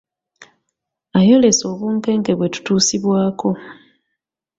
Ayolese obunkenke bwe tutuusibwako